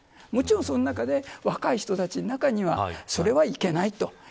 もちろん、その中で若い人たちの中にはそれはいけないと。